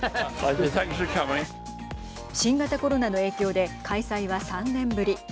新型コロナの影響で開催は３年ぶり。